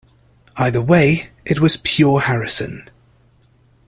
Either way, it was pure Harrison.